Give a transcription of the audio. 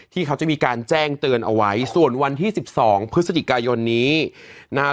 ที่เขาจะมีการแจ้งเตือนเอาไว้ส่วนวันที่๑๒พฤศจิกายนนี้นะครับ